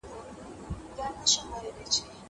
زه اوږده وخت موبایل کاروم!!